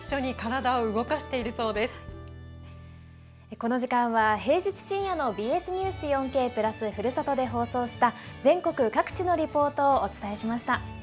この時間は平日深夜の「ＢＳニュース４Ｋ＋ふるさと」で放送した全国各地のリポートをお伝えしました。